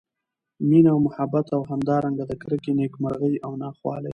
مېنه او محبت او همدا رنګه د کرکي، نیک مرغۍ او نا خوالۍ